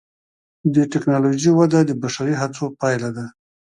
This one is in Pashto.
د ټکنالوجۍ وده د بشري هڅو پایله ده.